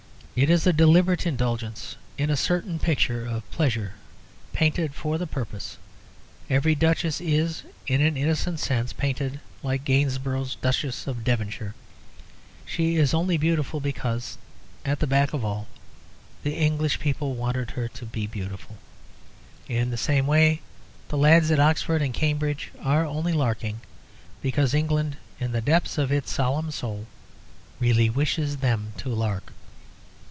It is a deliberate indulgence in a certain picture of pleasure painted for the purpose; every Duchess is (in an innocent sense) painted, like Gainsborough's "Duchess of Devonshire." She is only beautiful because, at the back of all, the English people wanted her to be beautiful. In the same way, the lads at Oxford and Cambridge are only larking because England, in the depths of its solemn soul, really wishes them to lark.